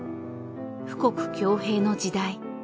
富国強兵の時代。